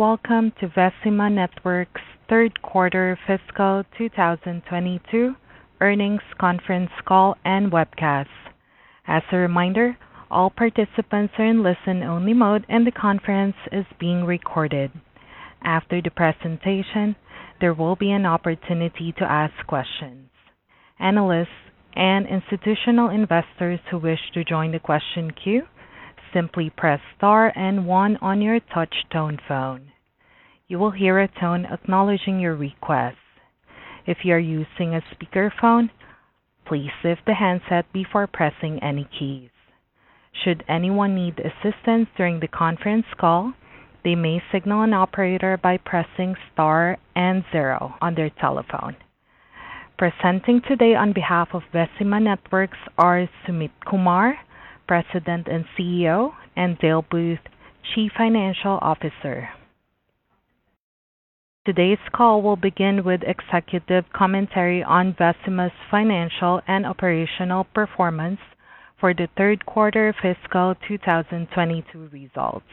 Welcome to Vecima Networks third quarter fiscal 2022 earnings conference call and webcast. As a reminder, all participants are in listen-only mode, and the conference is being recorded. After the presentation, there will be an opportunity to ask questions. Analysts and institutional investors who wish to join the question queue, simply press star and one on your touch tone phone. You will hear a tone acknowledging your request. If you're using a speakerphone, please lift the handset before pressing any keys. Should anyone need assistance during the conference call, they may signal an operator by pressing star and zero on their telephone. Presenting today on behalf of Vecima Networks are Sumit Kumar, President and CEO, and Dale Booth, Chief Financial Officer. Today's call will begin with executive commentary on Vecima's financial and operational performance for the third quarter fiscal 2022 results.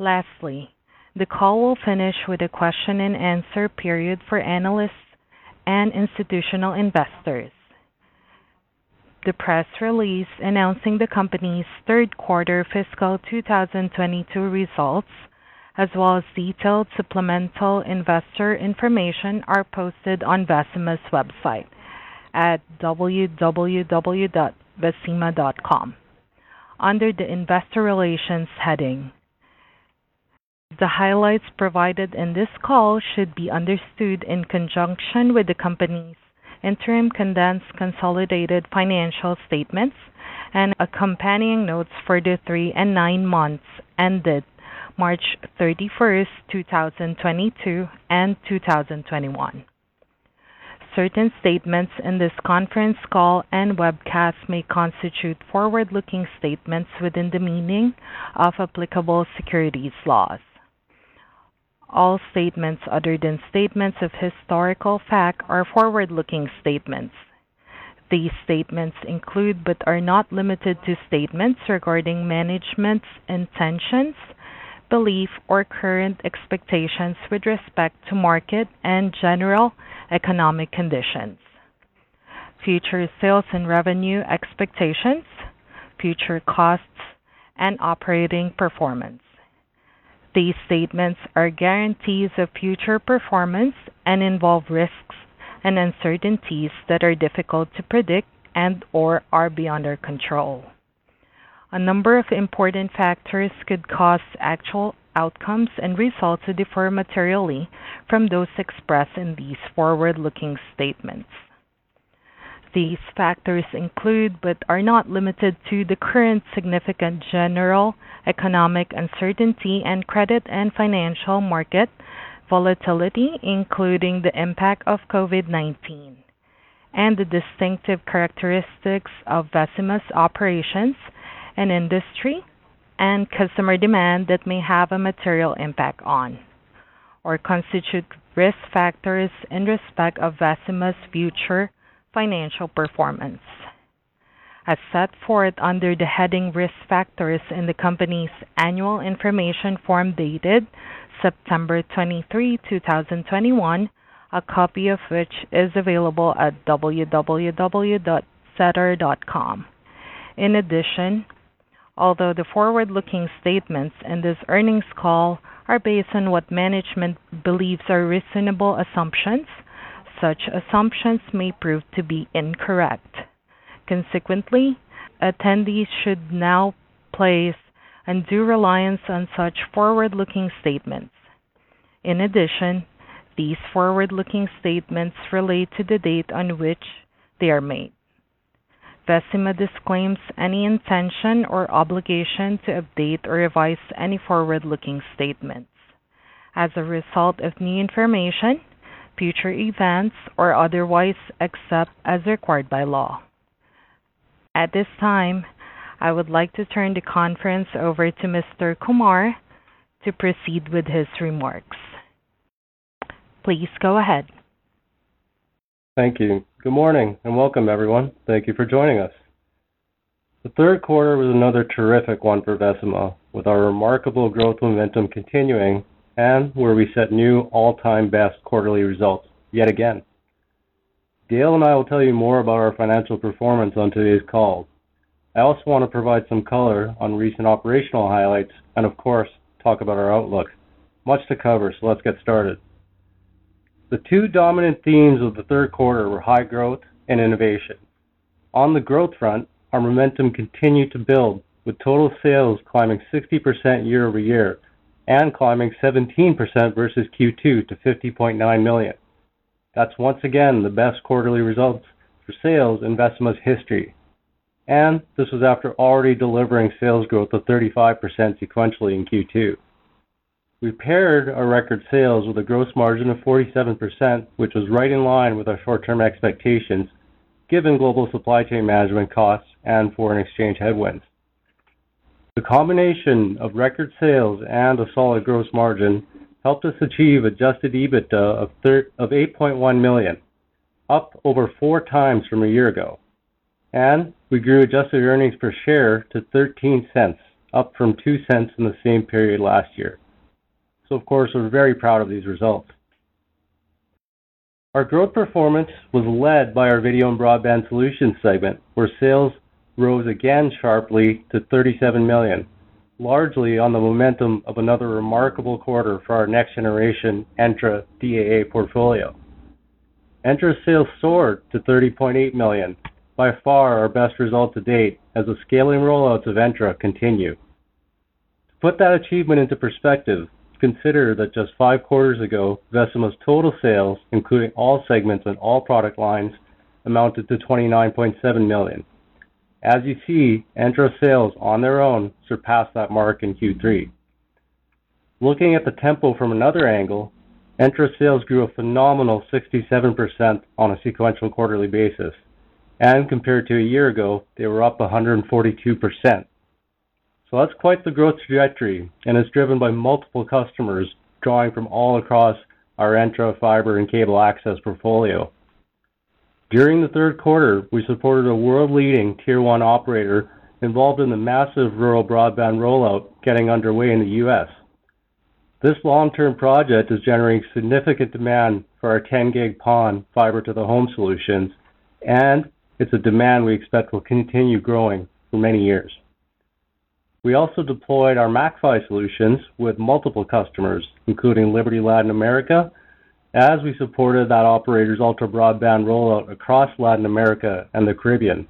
Lastly, the call will finish with a question and answer period for analysts and institutional investors. The press release announcing the company's third quarter fiscal 2022 results, as well as detailed supplemental investor information, are posted on Vecima's website at www.vecima.com under the Investor Relations heading. The highlights provided in this call should be understood in conjunction with the company's interim condensed consolidated financial statements and accompanying notes for the three and nine months ended March 31, 2022 and 2021. Certain statements in this conference call and webcast may constitute forward-looking statements within the meaning of applicable securities laws. All statements other than statements of historical fact are forward-looking statements. These statements include, but are not limited to, statements regarding management's intentions, belief, or current expectations with respect to market and general economic conditions, future sales and revenue expectations, future costs and operating performance. These statements are guarantees of future performance and involve risks and uncertainties that are difficult to predict and/or are beyond our control. A number of important factors could cause actual outcomes and results to differ materially from those expressed in these forward-looking statements. These factors include, but are not limited to, the current significant general economic uncertainty and credit and financial market volatility, including the impact of COVID-19 and the distinctive characteristics of Vecima's operations and industry and customer demand that may have a material impact on or constitute risk factors in respect of Vecima's future financial performance. As set forth under the heading Risk Factors in the company's annual information form dated September 23, 2021, a copy of which is available at www.sedar.com. In addition, although the forward-looking statements in this earnings call are based on what management believes are reasonable assumptions, such assumptions may prove to be incorrect. Consequently, attendees should not place undue reliance on such forward-looking statements. In addition, these forward-looking statements relate to the date on which they are made. Vecima disclaims any intention or obligation to update or revise any forward-looking statements as a result of new information, future events, or otherwise, except as required by law. At this time, I would like to turn the conference over to Mr. Kumar to proceed with his remarks. Please go ahead. Thank you. Good morning and welcome, everyone. Thank you for joining us. The third quarter was another terrific one for Vecima, with our remarkable growth momentum continuing and where we set new all-time best quarterly results yet again. Dale and I will tell you more about our financial performance on today's call. I also want to provide some color on recent operational highlights and, of course, talk about our outlook. Much to cover, so let's get started. The two dominant themes of the third quarter were high growth and innovation. On the growth front, our momentum continued to build, with total sales climbing 60% year-over-year and climbing 17% versus Q2 to 50.9 million. That's once again the best quarterly results for sales in Vecima's history, and this was after already delivering sales growth of 35% sequentially in Q2. We paired our record sales with a gross margin of 47%, which was right in line with our short-term expectations, given global supply chain management costs and foreign exchange headwinds. The combination of record sales and a solid gross margin helped us achieve adjusted EBITDA of 8.1 million, up over four times from a year ago. We grew adjusted earnings per share to 0.13, up from 0.02 in the same period last year. Of course, we're very proud of these results. Our growth performance was led by our video and broadband solutions segment, where sales rose again sharply to 37 million, largely on the momentum of another remarkable quarter for our next generation Entra DAA portfolio. Entra sales soared to 30.8 million. By far our best result to date as the scaling rollouts of Entra continue. To put that achievement into perspective, consider that just five quarters ago, Vecima's total sales, including all segments and all product lines, amounted to 29.7 million. As you see, Entra sales on their own surpassed that mark in Q3. Looking at the tempo from another angle, Entra sales grew a phenomenal 67% on a sequential quarterly basis. Compared to a year ago, they were up 142%. That's quite the growth trajectory, and it's driven by multiple customers drawing from all across our Entra fiber and cable access portfolio. During the third quarter, we supported a world leading tier one operator involved in the massive rural broadband rollout getting underway in the U.S. This long-term project is generating significant demand for our 10G PON fiber to the home solutions, and it's a demand we expect will continue growing for many years. We also deployed our MACPHY solutions with multiple customers, including Liberty Latin America, as we supported that operator's ultra-broadband rollout across Latin America and the Caribbean.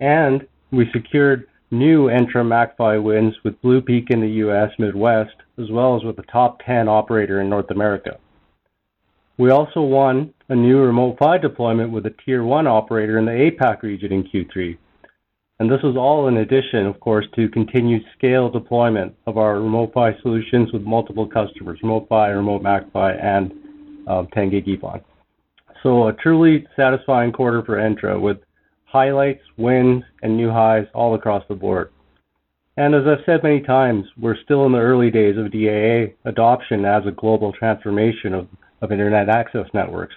We secured new Entra MACPHY wins with Bluepeak in the U.S. Midwest, as well as with the top ten operator in North America. We also won a new Remote PHY deployment with a tier one operator in the APAC region in Q3. This was all in addition, of course, to continued scale deployment of our Remote PHY solutions with multiple customers, Remote PHY, Remote MACPHY, and ten Gig EPON. A truly satisfying quarter for Entra with highlights, wins, and new highs all across the board. As I've said many times, we're still in the early days of DAA adoption as a global transformation of internet access networks.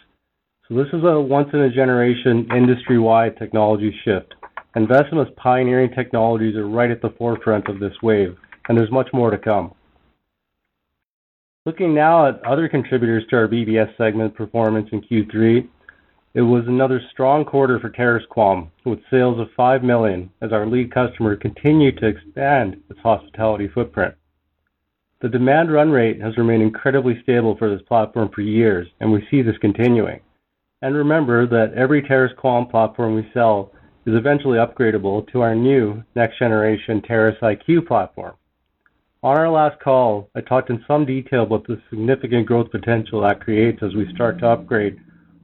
This is a once in ageneration industry-wide technology shift, and Vecima's pioneering technologies are right at the forefront of this wave, and there's much more to come. Looking now at other contributors to our BBS segment performance in Q3, it was another strong quarter for Terrace QAM with sales of 5 million as our lead customer continued to expand its hospitality footprint. The demand run rate has remained incredibly stable for this platform for years, and we see this continuing. Remember that every Terrace QAM platform we sell is eventually upgradable to our new next generation Terrace IQ platform. On our last call, I talked in some detail about the significant growth potential that creates as we start to upgrade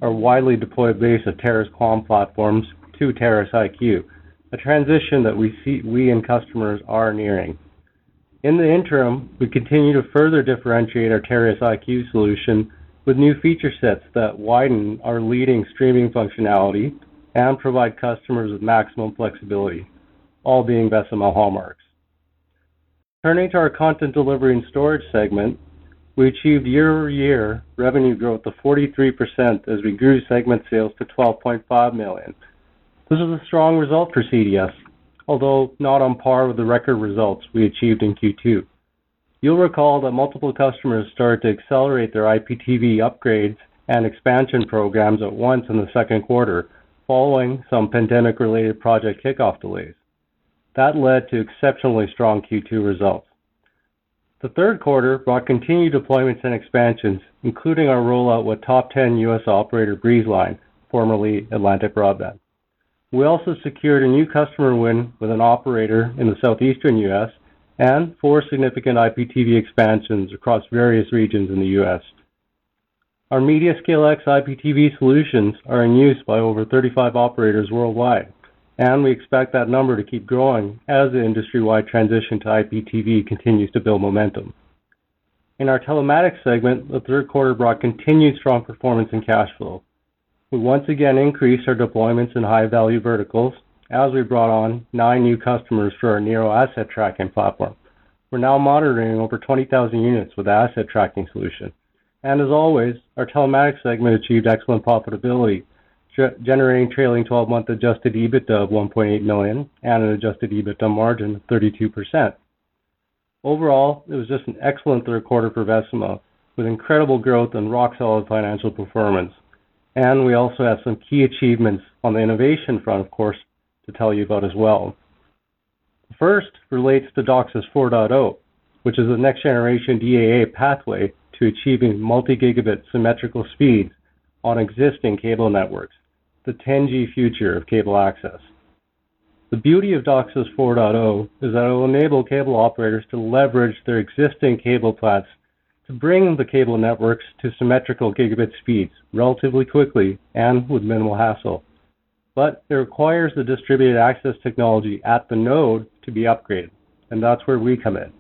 our widely deployed base of Terrace QAM platforms to Terrace IQ, a transition that we see we and customers are nearing. In the interim, we continue to further differentiate our Terrace IQ solution with new feature sets that widen our leading streaming functionality and provide customers with maximum flexibility, all being Vecima hallmarks. Turning to our content delivery and storage segment, we achieved year-over-year revenue growth of 43% as we grew segment sales to 12.5 million. This is a strong result for CDS, although not on par with the record results we achieved in Q2. You'll recall that multiple customers started to accelerate their IPTV upgrades and expansion programs at once in the second quarter, following some pandemic-related project kickoff delays. That led to exceptionally strong Q2 results. The third quarter brought continued deployments and expansions, including our rollout with top ten US operator Breezeline, formerly Atlantic Broadband. We also secured a new customer win with an operator in the Southeastern U.S. and four significant IPTV expansions across various regions in the U.S. Our MediaScaleX IPTV solutions are in use by over 35 operators worldwide, and we expect that number to keep growing as the industry-wide transition to IPTV continues to build momentum. In our Telematics segment, the third quarter brought continued strong performance and cash flow. We once again increased our deployments in high value verticals as we brought on nine new customers for our Nero asset tracking platform. We're now monitoring over 20,000 units with asset tracking solution. As always, our Telematics segment achieved excellent profitability, generating trailing twelve-month adjusted EBITDA of 1.8 million and an adjusted EBITDA margin of 32%. Overall, it was just an excellent third quarter for Vecima with incredible growth and rock-solid financial performance. We also have some key achievements on the innovation front, of course, to tell you about as well. First relates to DOCSIS 4.0, which is the next generation DAA pathway to achieving multi-gigabit symmetrical speeds on existing cable networks, the 10G future of cable access. The beauty of DOCSIS 4.0 is that it will enable cable operators to leverage their existing cable plants to bring the cable networks to symmetrical gigabit speeds relatively quickly and with minimal hassle. It requires the distributed access technology at the node to be upgraded, and that's where we come in.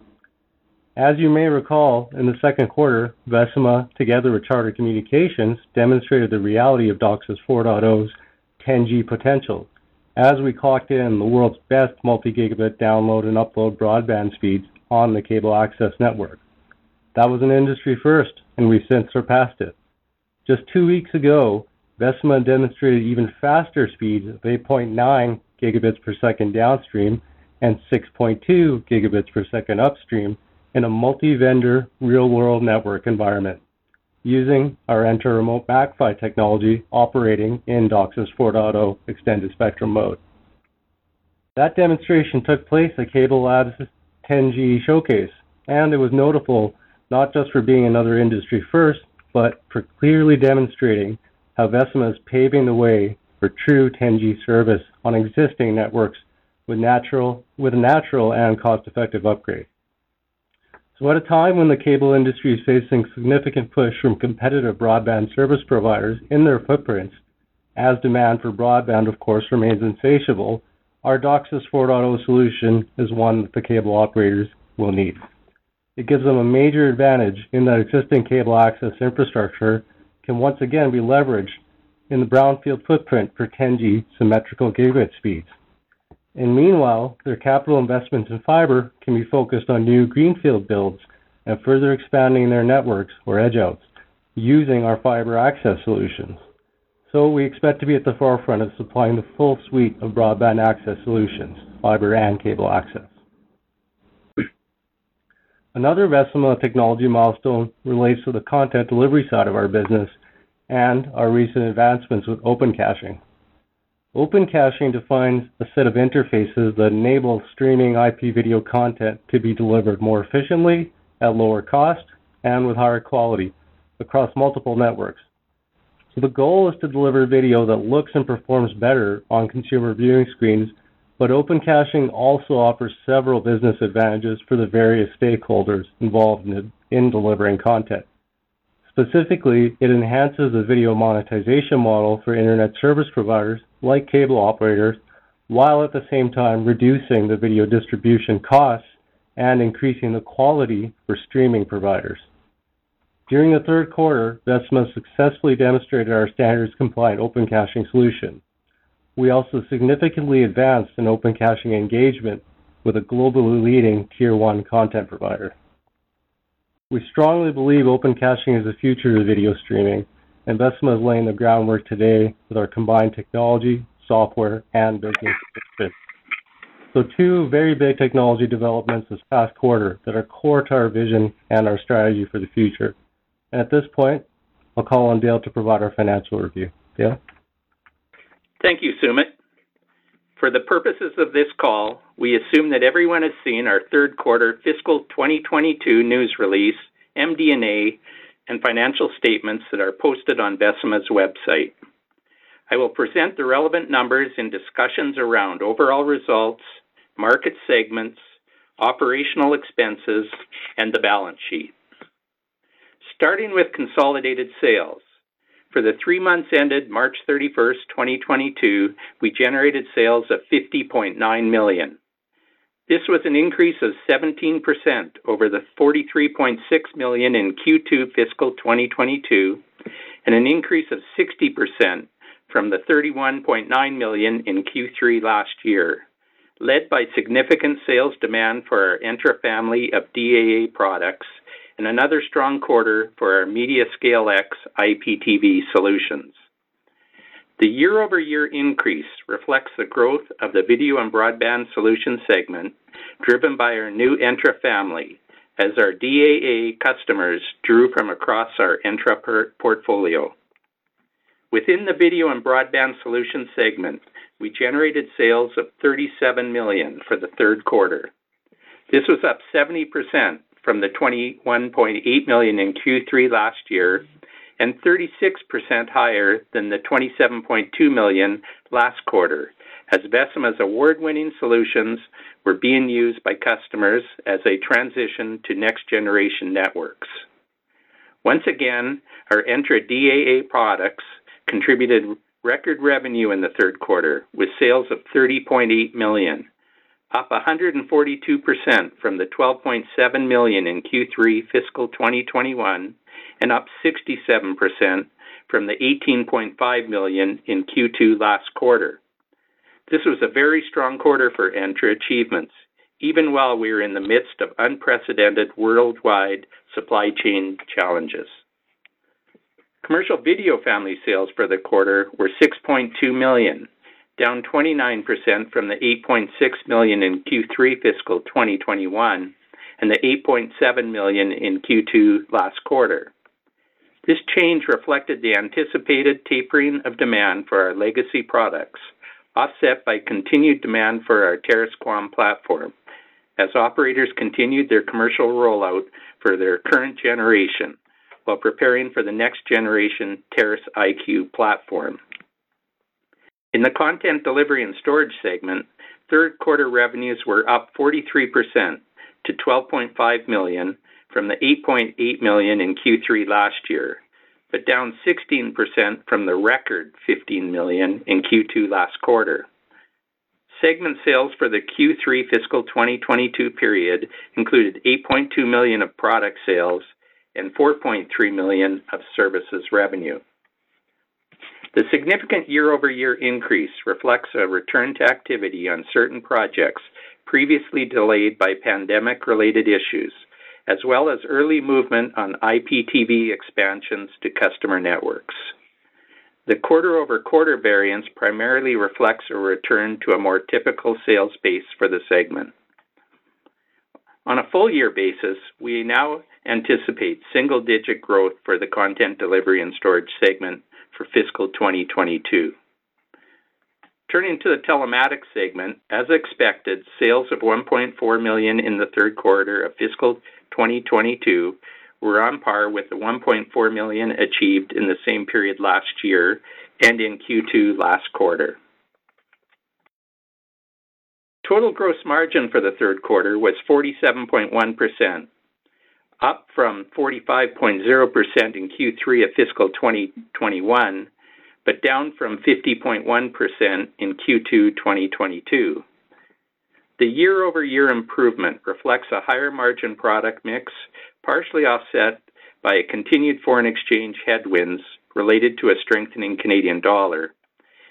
As you may recall, in the second quarter, Vecima, together with Charter Communications, demonstrated the reality of DOCSIS 4.0's 10G potential as we clocked in the world's best multi-gigabit download and upload broadband speeds on the cable access network. That was an industry first, and we've since surpassed it. Just two weeks ago, Vecima demonstrated even faster speeds of 8.9 Gb per second downstream and 6.2 gigabits per second upstream in a multi-vendor, real-world network environment using our Entra Remote MACPHY technology operating in DOCSIS 4.0 Extended Spectrum mode. That demonstration took place at CableLabs' 10G Showcase, and it was notable not just for being another industry first, but for clearly demonstrating how Vecima is paving the way for true 10G service on existing networks with natural and cost-effective upgrade. At a time when the cable industry is facing significant push from competitive broadband service providers in their footprints as demand for broadband, of course, remains insatiable, our DOCSIS 4.0 solution is one that the cable operators will need. It gives them a major advantage in that existing cable access infrastructure can once again be leveraged in the brownfield footprint for 10G symmetrical gigabit speeds. Meanwhile, their capital investments in fiber can be focused on new greenfield builds and further expanding their networks or edge outs using our fiber access solutions. We expect to be at the forefront of supplying the full suite of broadband access solutions, fiber and cable access. Another Vecima technology milestone relates to the content delivery side of our business and our recent advancements with Open Caching. Open Caching defines a set of interfaces that enable streaming IP video content to be delivered more efficiently at lower cost and with higher quality across multiple networks. The goal is to deliver video that looks and performs better on consumer viewing screens, but Open Caching also offers several business advantages for the various stakeholders involved in delivering content. Specifically, it enhances the video monetization model for Internet service providers like cable operators, while at the same time reducing the video distribution costs and increasing the quality for streaming providers. During the third quarter, Vecima successfully demonstrated our standards-compliant Open Caching solution. We also significantly advanced an Open Caching engagement with a globally leading tier-one content provider. We strongly believe Open Caching is the future of video streaming, and Vecima is laying the groundwork today with our combined technology, software, and business expertise. Two very big technology developments this past quarter that are core to our vision and our strategy for the future. At this point, I'll call on Dale to provide our financial review. Dale? Thank you, Sumit. For the purposes of this call, we assume that everyone has seen our third quarter fiscal 2022 news release, MD&A, and financial statements that are posted on SEDAR's website. I will present the relevant numbers and discussions around overall results, market segments, operational expenses, and the balance sheet. Starting with consolidated sales. For the three months ended March 31, 2022, we generated sales of 50.9 million. This was an increase of 17% over the 43.6 million in Q2 fiscal 2022, and an increase of 60% from the 31.9 million in Q3 last year, led by significant sales demand for our Entra family of DAA products and another strong quarter for our MediaScaleX IPTV solutions. The year-over-year increase reflects the growth of the video and broadband solutions segment, driven by our new Entra family, as our DAA customers drew from across our Entra portfolio. Within the video and broadband solutions segment, we generated sales of 37 million for the third quarter. This was up 70% from the 21.8 million in Q3 last year and 36% higher than the 27.2 millon last quarter as Vecima's award-winning solutions were being used by customers as they transition to next-generation networks. Once again, our Entra DAA products contributed record revenue in the third quarter with sales of 30.8 million, up 142% from the 12.7 million in Q3 fiscal 2021 and up 67% from the 18.5 million in Q2 last quarter. This was a very strong quarter for Entra achievements, even while we are in the midst of unprecedented worldwide supply chain challenges. Commercial video family sales for the quarter were 6.2 million, down 29% from the 8.6 million in Q3 fiscal 2021 and the 8.7 million in Q2 last quarter. This change reflected the anticipated tapering of demand for our legacy products, offset by continued demand for our Terrace QAM platform as operators continued their commercial rollout for their current generation while preparing for the next generation Terrace IQ platform. In the content delivery and storage segment, third quarter revenues were up 43% to 12.5 million from the 8.8 million in Q3 last year, but down 16% from the record 15 million in Q2 last quarter. Segment sales for the Q3 fiscal 2022 period included 8.2 million of product sales and 4.3 million of services revenue. The significant year-over-year increase reflects a return to activity on certain projects previously delayed by pandemic-related issues, as well as early movement on IPTV expansions to customer networks. The quarter-over-quarter variance primarily reflects a return to a more typical sales pace for the segment. On a full year basis, we now anticipate single-digit growth for the content delivery and storage segment for fiscal 2022. Turning to the Telematics segment, as expected, sales of 1.4 million in the third quarter of fiscal 2022 were on par with the 1.4 million achieved in the same period last year and in Q2 last quarter. Total gross margin for the third quarter was 47.1%, up from 45.0% in Q3 of fiscal 2021, but down from 50.1% in Q2 2022. The year-over-year improvement reflects a higher margin product mix, partially offset by a continued foreign exchange headwinds related to a strengthening Canadian dollar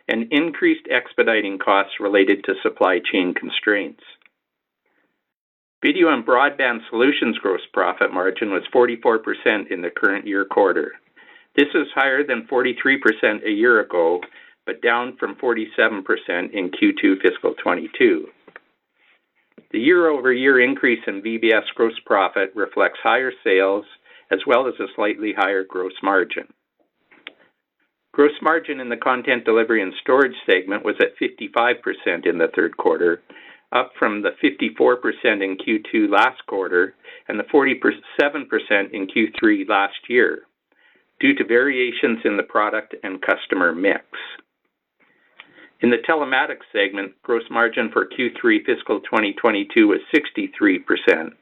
and increased expediting costs related to supply chain constraints. Video and Broadband Solutions' gross profit margin was 44% in the current year quarter. This is higher than 43% a year ago, but down from 47% in Q2 fiscal 2022. The year-over-year increase in VBS gross profit reflects higher sales as well as a slightly higher gross margin. Gross margin in the content delivery and storage segment was at 55% in the third quarter, up from the 54% in Q2 last quarter and the 47% in Q3 last year due to variations in the product and customer mix. In the Telematics segment, gross margin for Q3 fiscal 2022 was 63%,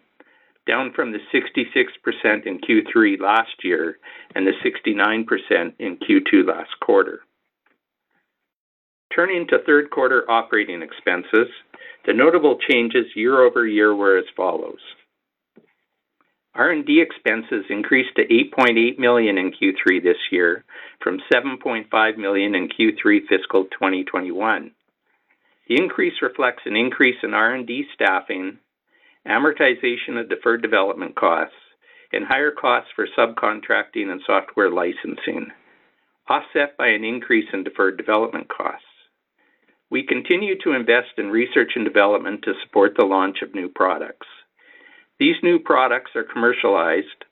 down from the 66% in Q3 last year and the 69% in Q2 last quarter. Turning to third quarter operating expenses, the notable changes year-over-year were as follows. R&D expenses increased to 8.8 million in Q3 this year from 7.5 million in Q3 fiscal 2021. The increase reflects an increase in R&D staffing, amortization of deferred development costs, and higher costs for subcontracting and software licensing, offset by an increase in deferred development costs. We continue to invest in research and development to support the launch of new products. These new products are commercialized.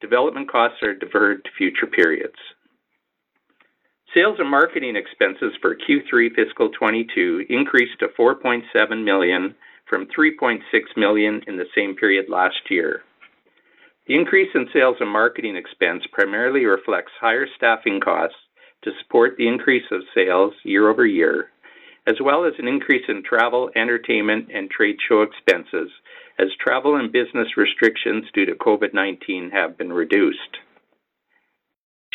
Development costs are deferred to future periods. Sales and marketing expenses for Q3 fiscal 2022 increased to 4.7 million from 3.6 million in the same period last year. The increase in sales and marketing expense primarily reflects higher staffing costs to support the increase of sales year-over-year, as well as an increase in travel, entertainment, and trade show expenses as travel and business restrictions due to COVID-19 have been reduced.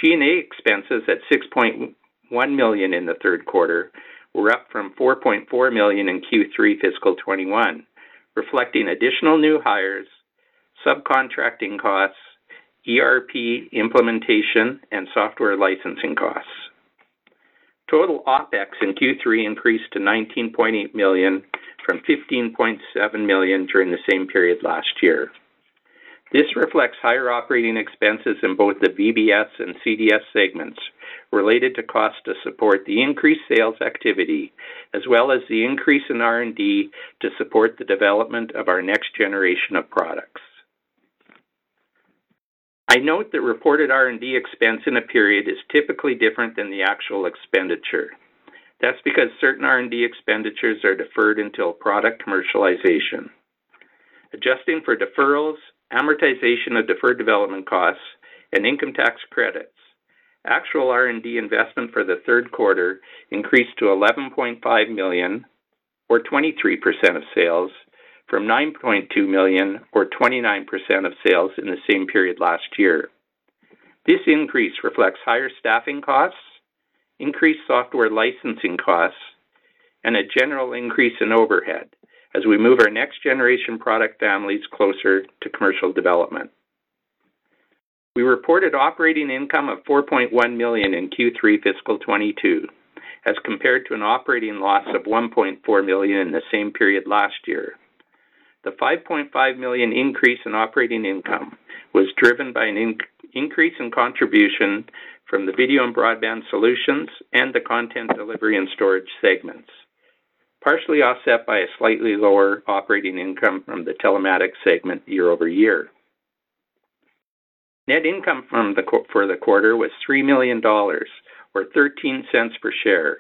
G&A expenses at 6.1 million in the third quarter were up from 4.4 million in Q3 fiscal 2021, reflecting additional new hires, subcontracting costs, ERP implementation, and software licensing costs. Total OpEx in Q3 increased to 19.8 million from 15.7 million during the same period last year. This reflects higher operating expenses in both the VBS and CDS segments related to costs to support the increased sales activity as well as the increase in R&D to support the development of our next generation of products. I note that reported R&D expense in a period is typically different than the actual expenditure. That's because certain R&D expenditures are deferred until product commercialization. Adjusting for deferrals, amortization of deferred development costs, and income tax credits, actual R&D investment for the third quarter increased to 11.5 million or 23% of sales from 9.2 million or 29% of sales in the same period last year. This increase reflects higher staffing costs, increased software licensing costs, and a general increase in overhead as we move our next generation product families closer to commercial development. We reported operating income of 4.1 million in Q3 fiscal 2022 as compared to an operating loss of 1.4 million in the same period last year. The 5.5 million increase in operating income was driven by an increase in contribution from the Video and Broadband Solutions and the Content Delivery and Storage segments, partially offset by a slightly lower operating income from the Telematics segment year-over-year. Net income for the quarter was 3 million dollars or 0.13 per share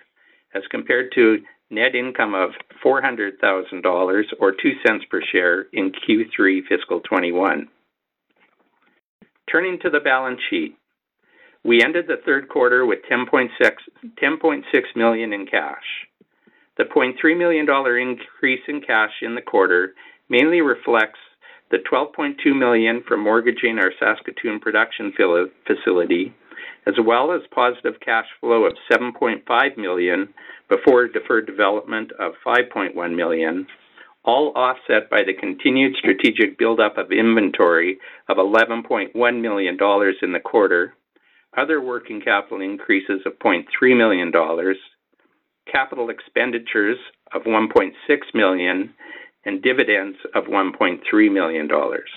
as compared to net income of 400 thousand dollars or 0.02 per share in Q3 fiscal 2021. Turning to the balance sheet, we ended the third quarter with 10.6 million in cash. The 0.3 million dollar increase in cash in the quarter mainly reflects the 12.2 million for mortgaging our Saskatoon production facility, as well as positive cash flow of 7.5 million before deferred development of 5.1 million. All offset by the continued strategic buildup of inventory of 11.1 million dollars in the quarter. Other working capital increases of 0.3 million dollars, capital expenditures of 1.6 million, and dividends of 1.3 million dollars.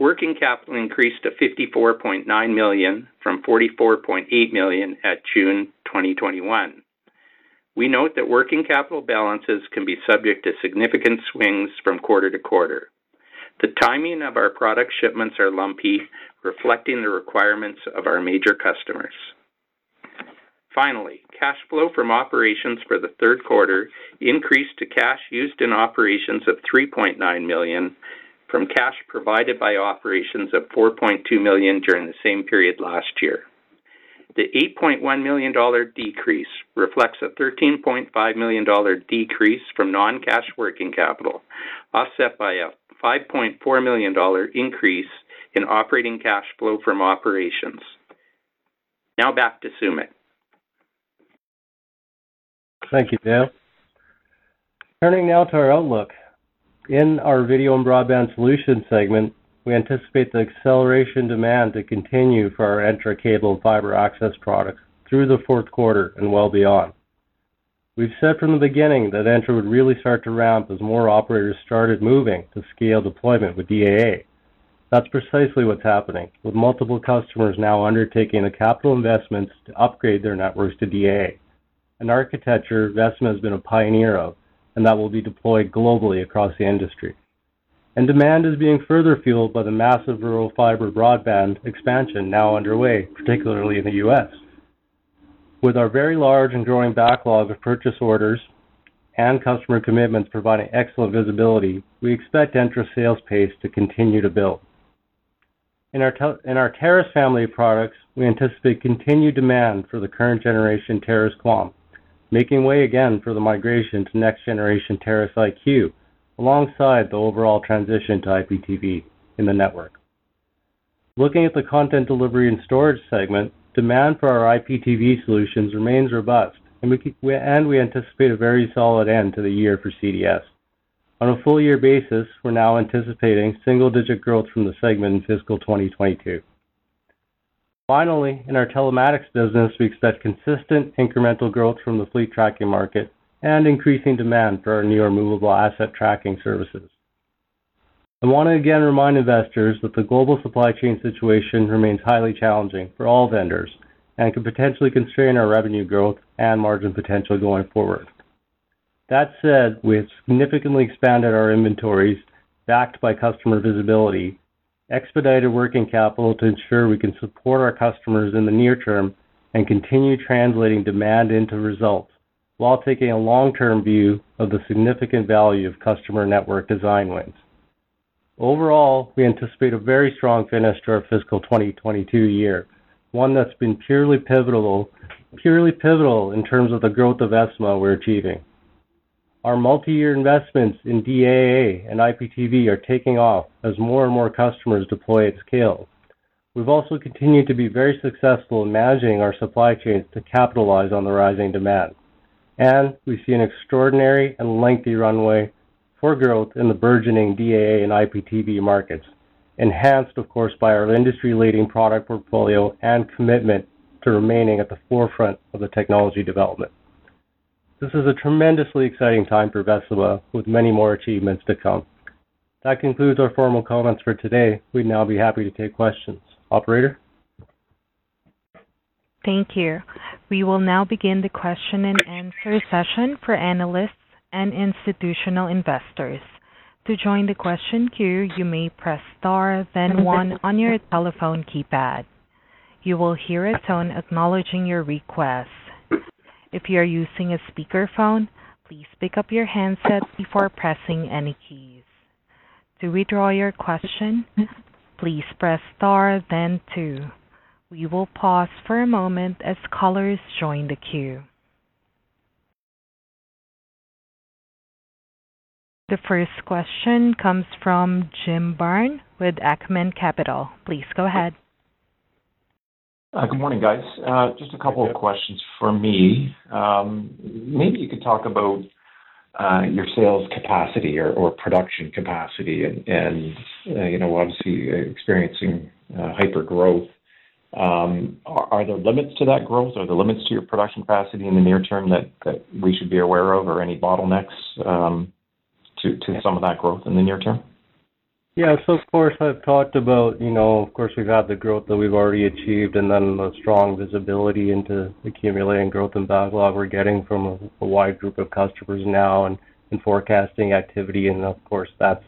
Working capital increased to 54.9 million from 44.8 million at June 2021. We note that working capital balances can be subject to significant swings from quarter to quarter. The timing of our product shipments are lumpy, reflecting the requirements of our major customers. Finally, cash flow from operations for the third quarter increased to cash used in operations of 3.9 million from cash provided by operations of 4.2 million during the same period last year. The 8.1 million dollar decrease reflects a 13.5 million dollar decrease from non-cash working capital, offset by a 5.4 million dollar increase in operating cash flow from operations. Now back to Sumit. Thank you, Dale. Turning now to our outlook. In our video and broadband solutions segment, we anticipate the acceleration demand to continue for our Entra cable and fiber access products through the fourth quarter and well beyond. We've said from the beginning that Entra would really start to ramp as more operators started moving to scale deployment with DAA. That's precisely what's happening, with multiple customers now undertaking the capital investments to upgrade their networks to DAA, an architecture Vecima has been a pioneer of, and that will be deployed globally across the industry. Demand is being further fueled by the massive rural fiber broadband expansion now underway, particularly in the U.S. With our very large and growing backlog of purchase orders and customer commitments providing excellent visibility, we expect Entra sales pace to continue to build. In our Terrace family of products, we anticipate continued demand for the current generation Terrace QAM, making way again for the migration to next generation Terrace IQ, alongside the overall transition to IPTV in the network. Looking at the content delivery and storage segment, demand for our IPTV solutions remains robust, and we anticipate a very solid end to the year for CDS. On a full year basis, we're now anticipating single-digit growth from the segment in fiscal 2022. Finally, in our telematics business, we expect consistent incremental growth from the fleet tracking market and increasing demand for our newer movable asset tracking services. I want to again remind investors that the global supply chain situation remains highly challenging for all vendors and could potentially constrain our revenue growth and margin potential going forward. That said, we have significantly expanded our inventories backed by customer visibility, expedited working capital to ensure we can support our customers in the near term and continue translating demand into results while taking a long-term view of the significant value of customer network design wins. Overall, we anticipate a very strong finish to our fiscal 2022 year, one that's been purely pivotal in terms of the growth of Vecima we're achieving. Our multi-year investments in DAA and IPTV are taking off as more and more customers deploy at scale. We've also continued to be very successful in managing our supply chains to capitalize on the rising demand. We see an extraordinary and lengthy runway for growth in the burgeoning DAA and IPTV markets, enhanced, of course, by our industry-leading product portfolio and commitment to remaining at the forefront of the technology development. This is a tremendously exciting time for Vecima, with many more achievements to come. That concludes our formal comments for today. We'd now be happy to take questions. Operator? Thank you. We will now begin the question-and-answer session for analysts and institutional investors. To join the question queue, you may press star then one on your telephone keypad. You will hear a tone acknowledging your request. If you are using a speakerphone, please pick up your handset before pressing any keys. To withdraw your question, please press star then two. We will pause for a moment as callers join the queue. The first question comes from Jim Byrne with Acumen Capital. Please go ahead. Hi, good morning, guys. Just a couple of questions from me. Maybe you could talk about your sales capacity or production capacity and, you know, obviously you're experiencing hypergrowth. Are there limits to that growth? Are there limits to your production capacity in the near term that we should be aware of or any bottlenecks to some of that growth in the near term? Yeah. Of course, I've talked about, you know, of course, we've had the growth that we've already achieved and then the strong visibility into accumulating growth and backlog we're getting from a wide group of customers now and forecasting activity. Of course, that's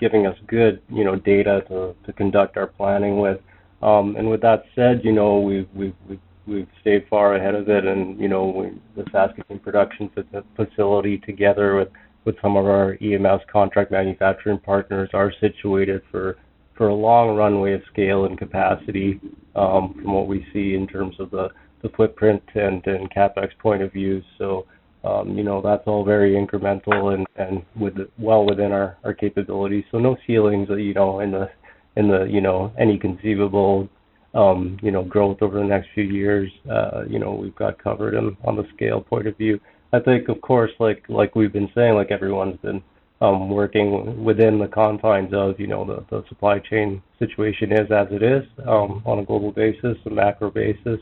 giving us good, data to conduct our planning with. With that said, you know, we've stayed far ahead of it. You know, the Saskatoon production facility together with some of our EMS contract manufacturing partners are situated for a long runway of scale and capacity from what we see in terms of the footprint and CapEx point of view. You know, that's all very incremental and well within our capabilities. No ceilings in the, you know, any conceivable growth over the next few years, you know, we've got covered on the scale point of view. I think, of course, like we've been saying, like everyone's been working within the confines of, you know, the supply chain situation as it is, on a global basis, a macro basis.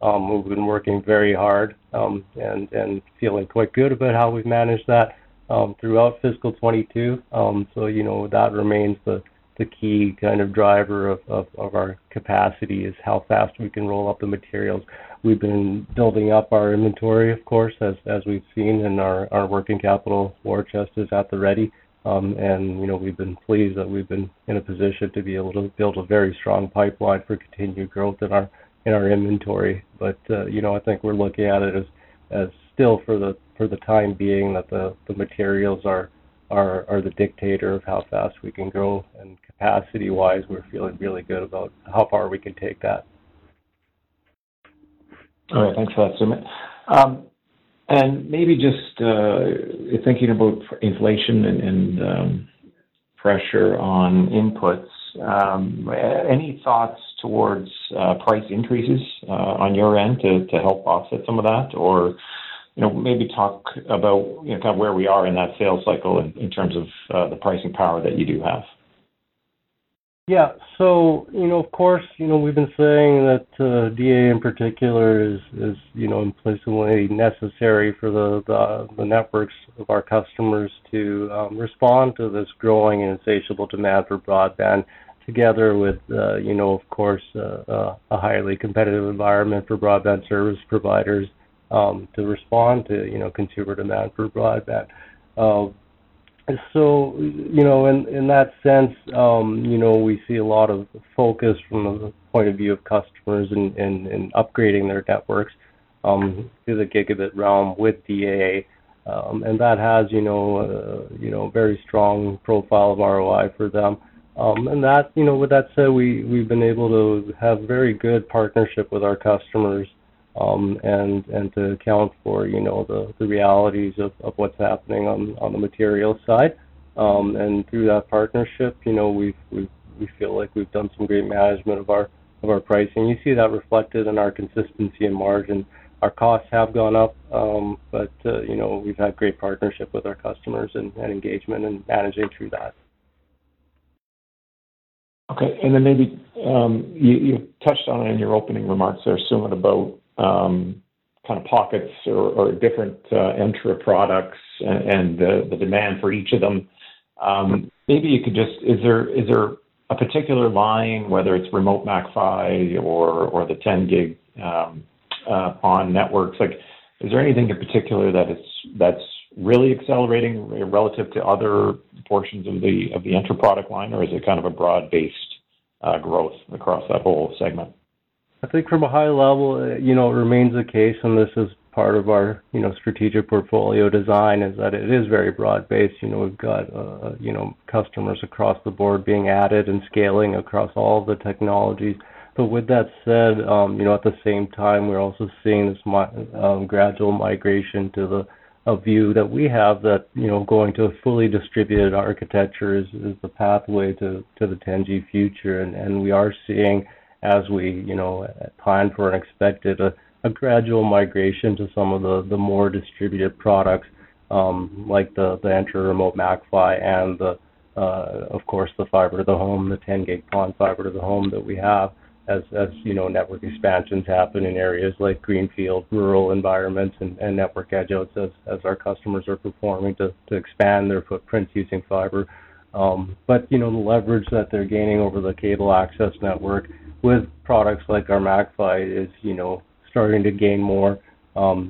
We've been working very hard and feeling quite good about how we've managed that throughout fiscal 2022. You know, that remains the key kind of driver of our capacity, which is how fast we can roll up the materials. We've been building up our inventory, of course, as we've seen in our working capital war chest, which is at the ready. You know, we've been pleased that we've been in a position to be able to build a very strong pipeline for continued growth in our inventory. You know, I think we're looking at it as still for the time being, that the materials are the dictator of how fast we can grow. Capacity-wise, we're feeling really good about how far we can take that. All right. Thanks for that, Sumit. Maybe just thinking about inflation and pressure on inputs. Any thoughts towards price increases on your end to help offset some of that? You know, maybe talk about, you know, kind of where we are in that sales cycle in terms of the pricing power that you do have. Yeah. You know, of course, you know, we've been saying that DAA in particular is, you know, implicitly necessary for the networks of our customers to respond to this growing insatiable demand for broadband together with a highly competitive environment for broadband service providers to respond to, you know, consumer demand for broadband. You know, in that sense, you know, we see a lot of focus from the point of view of customers in upgrading their networks to the gigabit realm with DAA. That has, you know, very strong profile of ROI for them. You know, with that said, we've been able to have very good partnership with our customers, and to account for, you know, the realities of what's happening on the materials side. Through that partnership, you know, we feel like we've done some great management of our pricing. You see that reflected in our consistency in margin. Our costs have gone up, but you know, we've had great partnership with our customers and engagement and managing through that. Okay. Then maybe you touched on it in your opening remarks there, Sumit, about kind of pockets or different Entra products and the demand for each of them. Maybe you could just— Is there a particular line, whether it's Remote MACPHY or the 10G PON networks? Like, is there anything in particular that is really accelerating relative to other portions of the Entra product line, or is it kind of a broad-based growth across that whole segment? I think from a high level, you know, it remains the case, and this is part of our, you know, strategic portfolio design, is that it is very broad based. You know, we've got, you know, customers across the board being added and scaling across all the technologies. But with that said, you know, at the same time, we're also seeing this gradual migration to the, a view that we have that, you know, going to a fully distributed architecture is the pathway to the 10G future. We are seeing, as we planned for and expected a gradual migration to some of the more distributed products like the Entra Remote MACPHY and of course the fiber to the home, the 10G PON fiber to the home that we have as you know network expansions happen in areas like greenfield rural environments and network edge outs as our customers are planning to expand their footprints using fiber. But you know the leverage that they're gaining over the cable access network with products like our MACPHY is you know starting to gain more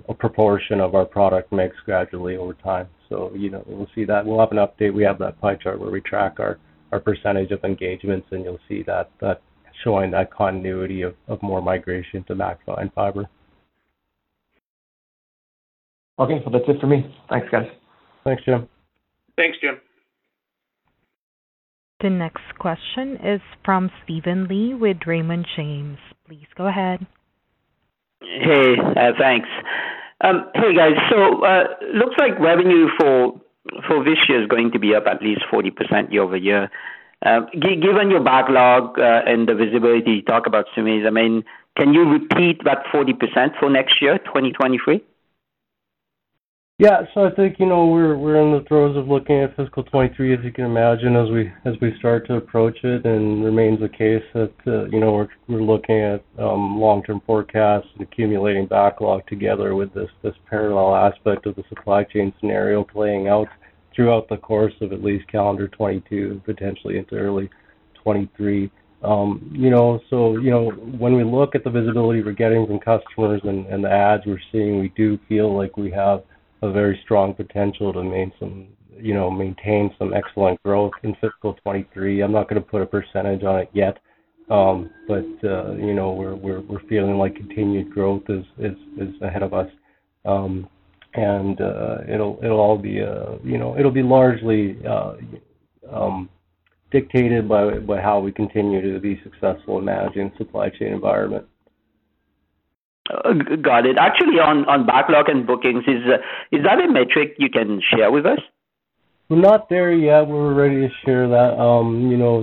a proportion of our product mix gradually over time. You know we'll see that. We'll have an update. We have that pie chart where we track our percentage of engagements, and you'll see that showing that continuity of more migration to MACPHY and fiber. Okay. Well, that's it for me. Thanks, guys. Thanks, Jim. Thanks, Jim. The next question is from Steven Li with Raymond James. Please go ahead. Looks like revenue for this year is going to be up at least 40% year-over-year. Given your backlog and the visibility you talk about, Sumit, I mean, can you repeat that 40% for next year, 2023? Yeah. I think, you know, we're in the throes of looking at fiscal 2023, as you can imagine, as we start to approach it. Remains the case that, you know, we're looking at long-term forecasts and accumulating backlog together with this parallel aspect of the supply chain scenario playing out throughout the course of at least calendar 2022, potentially into early 2023. You know, when we look at the visibility we're getting from customers and the adds we're seeing, we do feel like we have a very strong potential to maintain some excellent growth in fiscal 2023. I'm not gonna put a percentage on it yet. You know, we're feeling like continued growth is ahead of us. It'll be largely dictated by how we continue to be successful in managing supply chain environment. Got it. Actually, on backlog and bookings, is that a metric you can share with us? We're not there yet where we're ready to share that.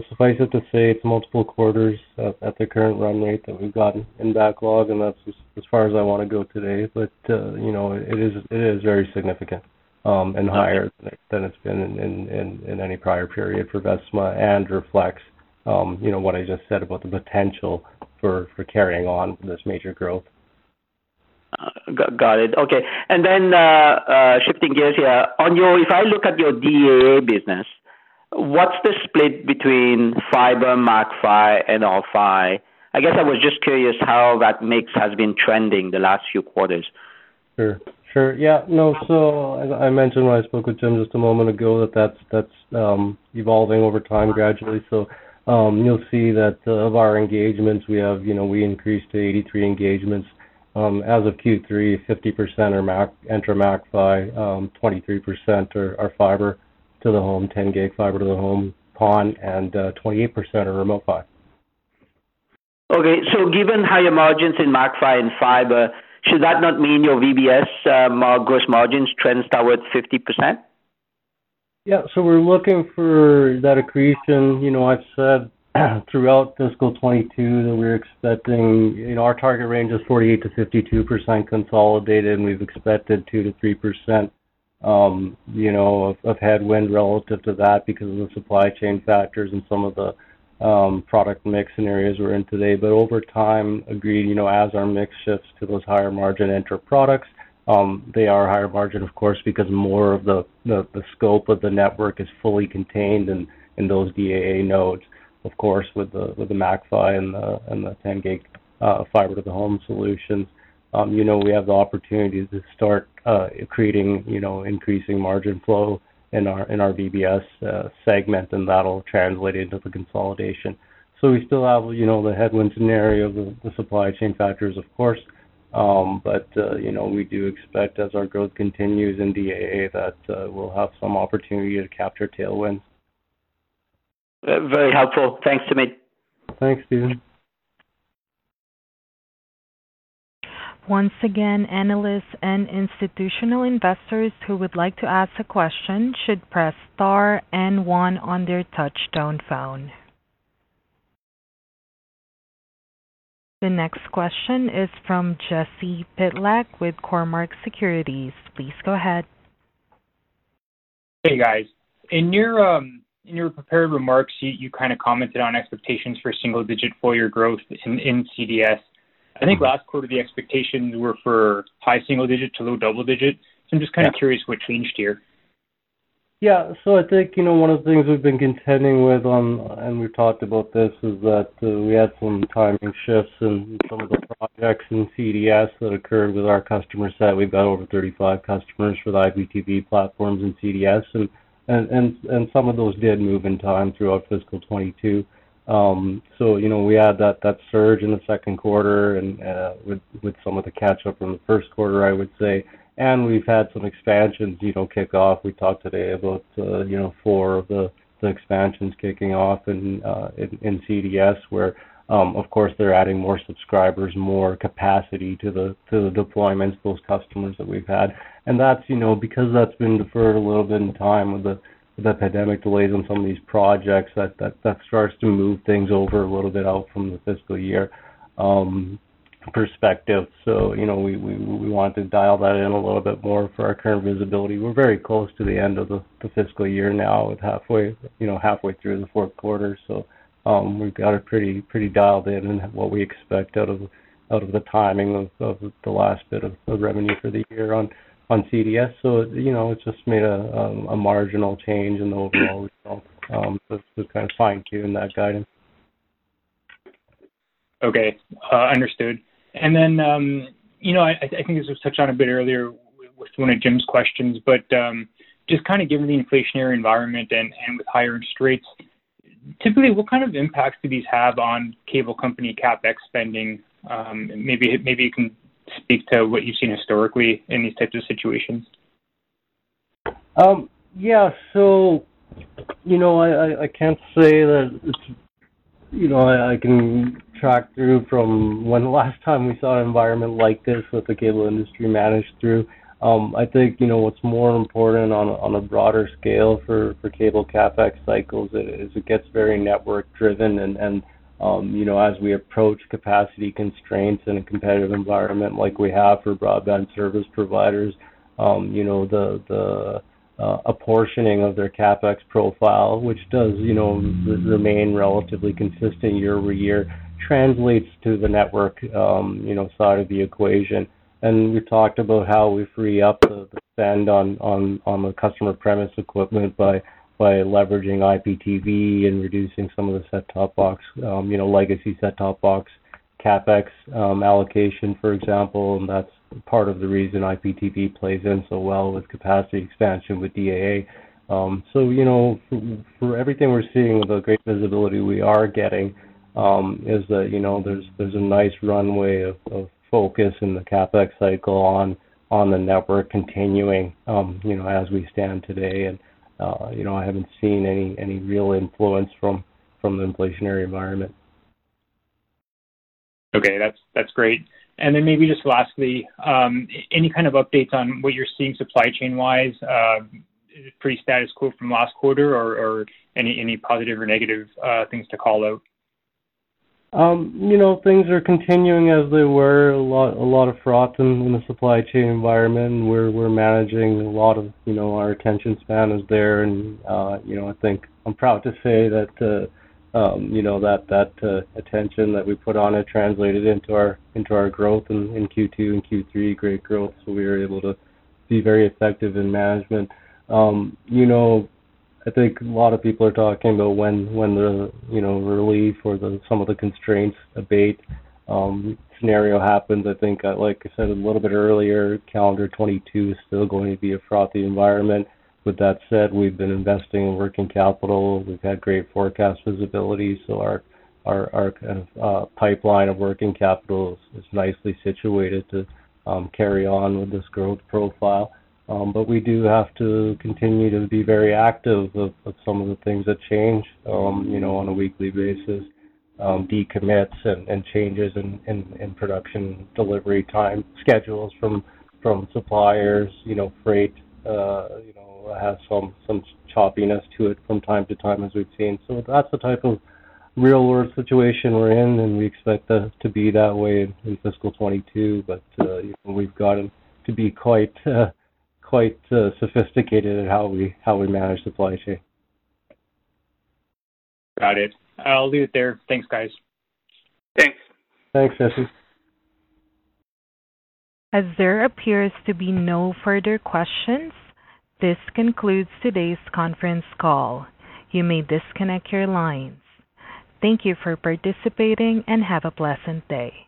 Suffice it to say it's multiple quarters at the current run rate that we've got in backlog, and that's as far as I wanna go today. You know, it is very significant, and higher than it's been in any prior period for Vecima and reflects, you know, what I just said about the potential for carrying on this major growth. Got it. Okay. Then, shifting gears here. On your, if I look at your DAA business, what's the split between fiber, MACPHY and R-PHY? I guess I was just curious how that mix has been trending the last few quarters. Sure, yeah, no, as I mentioned when I spoke with Jim just a moment ago, that's evolving over time gradually. You'll see that of our engagements we have, you know, we increased to 83 engagements as of Q3, 50% are Entra MACPHY, 23% are fiber to the home, 10G fiber to the home PON, and 28% are Remote PHY. Given higher margins in MACPHY and fiber, should that not mean your VBS gross margins trends toward 50%? Yeah. We're looking for that accretion, you know, I've said throughout fiscal 2022 that we're expecting, our target range is 48%-52% consolidated, and we've expected 2%-3%, you know, of headwind relative to that because of the supply chain factors and some of the product mix scenarios we're in today. Over time, agreed, you know, as our mix shifts to those higher margin Entra products, they are higher margin of course because more of the scope of the network is fully contained in those DAA nodes. Of course, with the MACPHY and the 10G fiber to the home solution, you know, we have the opportunity to start creating, you know, increasing margin flow in our VBS segment, and that'll translate into the consolidation. We still have, you know, the headwinds in the area of the supply chain factors of course. You know, we do expect as our growth continues in DAA that we'll have some opportunity to capture tailwinds. Very helpful. Thanks, Sumit. Thanks, Steven. Once again, analysts and institutional investors who would like to ask a question should press star and one on their touchtone phone. The next question is from Jesse Pytlak with Cormark Securities. Please go ahead. Hey, guys. In your prepared remarks, you kinda commented on expectations for single-digit full-year growth in CDS. I think last quarter the expectations were for high single-digit to low double-digit, so I'm just kinda curious what changed here. Yeah. I think, you know, one of the things we've been contending with, and we've talked about this, is that we had some timing shifts in some of the projects in CDS that occurred with our customer set. We've got over 35 customers for the IPTV platforms in CDS and some of those did move in time throughout fiscal 2022. You know we had that surge in the second quarter and with some of the catch up from the first quarter I would say. We've had some expansions, you know, kick off. We talked today about, you know, 4 of the expansions kicking off in CDS where, of course, they're adding more subscribers, more capacity to the deployments, those customers that we've had. That's, you know, because that's been deferred a little bit in time with the pandemic delays on some of these projects that starts to move things over a little bit out from the fiscal year perspective. You know, we wanted to dial that in a little bit more for our current visibility. We're very close to the end of the fiscal year now, halfway through the fourth quarter. We've got it pretty dialed in what we expect out of the timing of the last bit of revenue for the year on CDS. You know, it just made a marginal change in the overall result, but just kind of fine-tuning that guidance. Okay. Understood. You know, I think this was touched on a bit earlier with one of Jim's questions, but just kinda given the inflationary environment and with higher interest rates, typically what kind of impacts do these have on cable company CapEx spending? Maybe you can speak to what you've seen historically in these types of situations. Yeah. You know, I can't say that it's, you know, I can track through from when the last time we saw an environment like this that the cable industry managed through. I think, you know, what's more important on a broader scale for cable CapEx cycles is it gets very network driven and, as we approach capacity constraints in a competitive environment like we have for broadband service providers, you know, the apportioning of their CapEx profile, which does, you know, remain relatively consistent year-over-year, translates to the network, side of the equation. We've talked about how we free up the spend on the customer premises equipment by leveraging IPTV and reducing some of the legacy set-top box CapEx allocation, for example. That's part of the reason IPTV plays in so well with capacity expansion with DAA. For everything we're seeing with the great visibility we are getting, is that there's a nice runway of focus in the CapEx cycle on the network continuing as we stand today. I haven't seen any real influence from the inflationary environment. Okay, that's great. Then maybe just lastly, any kind of updates on what you're seeing supply chain wise, pretty status quo from last quarter or any positive or negative things to call out? You know, things are continuing as they were. A lot of froth in the supply chain environment. We're managing a lot of. You know, our attention span is there and I think I'm proud to say that that attention that we put on it translated into our growth in Q2 and Q3, great growth. We were able to be very effective in management. I think a lot of people are talking about when the, relief or some of the constraints abate, scenario happens. I think, like I said a little bit earlier, calendar 2022 is still going to be a frothy environment. With that said, we've been investing in working capital. We've had great forecast visibility, so our kind of pipeline of working capital is nicely situated to carry on with this growth profile. We do have to continue to be very aware of some of the things that change, you know, on a weekly basis, decommits and changes in production, delivery time schedules from suppliers. Freight, has some choppiness to it from time to time as we've seen. That's the type of real world situation we're in, and we expect it to be that way in fiscal 2022. You know, we've gotten to be quite sophisticated in how we manage supply chain. Got it. I'll leave it there. Thanks, guys. Thanks. Thanks, Jesse. As there appears to be no further questions, this concludes today's conference call. You may disconnect your lines. Thank you for participating, and have a pleasant day.